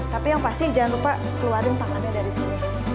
tapi yang pasti jangan lupa keluarin tangannya dari sini